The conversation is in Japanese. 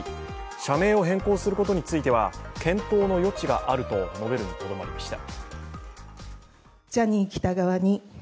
社名を変更することについては、検討の余地があると述べるにとどまりました。